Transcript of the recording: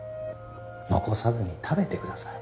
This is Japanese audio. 残さずに食べてください